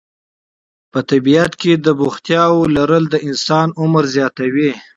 په طبیعت کې د بوختیاوو لرل د انسان عمر زیاتوي.